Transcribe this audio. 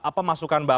apa masukan bapak